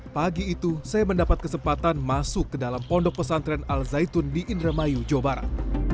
pagi itu saya mendapat kesempatan masuk ke dalam pondok pesantren al zaitun di indramayu jawa barat